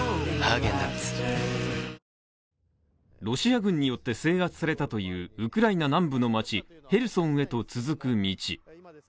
ロシア軍によって制圧されたというウクライナ南部の街、ヘルソンへと続く道。